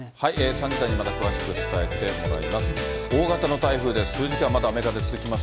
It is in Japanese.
３時台にまた詳しくお伝えしたいと思います。